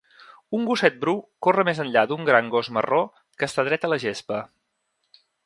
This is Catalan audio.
Un gosset bru corre més enllà d'un gran gos marró que està dret a la gespa.